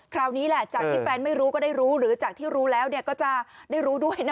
คราวนี้แหละจากที่แฟนไม่รู้ก็ได้รู้หรือจากที่รู้แล้วก็จะได้รู้ด้วยนะ